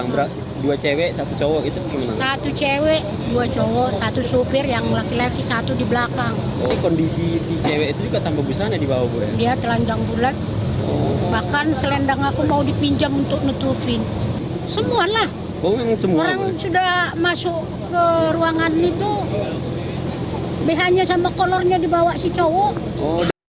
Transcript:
pertanyaan terakhir apakah mobil ini akan dikembalikan oleh pengemudi